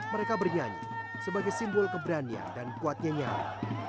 mereka bernyanyi sebagai simbol keberanian dan kuatnya nyawa